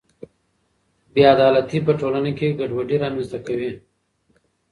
بې عدالتي په ټولنه کې ګډوډي رامنځته کوي.